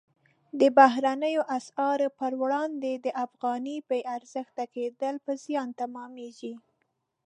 د بهرنیو اسعارو پر وړاندې د افغانۍ بې ارزښته کېدل په زیان تمامیږي.